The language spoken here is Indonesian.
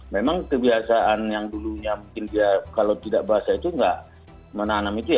memang kebiasaan yang dulunya mungkin dia kalau tidak basah itu nggak menanam itu ya